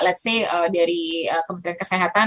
let's say dari kementerian kesehatan